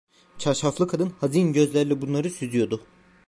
Çarşaflı kadın hazin gözlerle bunları süzüyordu.